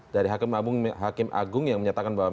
dari hakim mahkum hakim agung yang menyatakan bahwa